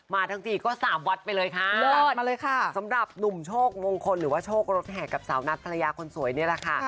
ทั้งทีก็สามวัดไปเลยค่ะสำหรับหนุ่มโชคมงคลหรือว่าโชครถแห่กับสาวนัทภรรยาคนสวยนี่แหละค่ะ